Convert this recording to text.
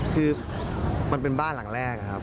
คือมันเป็นบ้านหลังแรกครับ